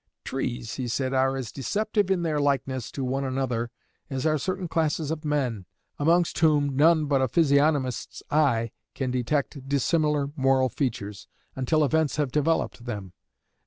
'Trees,' he said, 'are as deceptive in their likeness to one another as are certain classes of men, amongst whom none but a physiognomist's eye can detect dissimilar moral features until events have developed them.